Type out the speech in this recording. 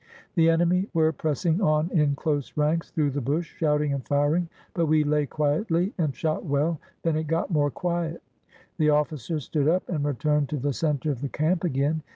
The enemy were pressing on in close ranks through the bush, shouting and firing. But we lay quietly and shot well. Then it got more quiet. The offi cers stood up and returned to the center of the camp again.